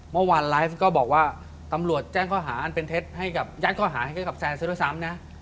เมื่อวานไลฟ์ก็บอกว่าตำรวจแจ้งข้อหาอันเป็นเท็จให้กับยัดข้อหาให้กับแซนซะด้วยซ้ำนะ